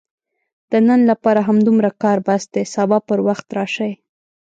د نن لپاره همدومره کار بس دی، سبا پر وخت راشئ!